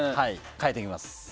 変えています。